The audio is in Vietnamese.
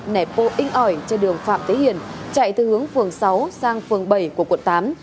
nẻ pô in ỏi trên đường phạm thế hiển chạy từ hướng phường sáu sang phường bảy của quận tám